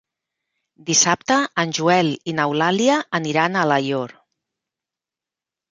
Dissabte en Joel i n'Eulàlia aniran a Alaior.